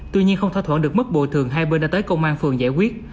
tuy nhiên không thỏa thuận được mức bồi thường hai bên đã tới công an phường giải quyết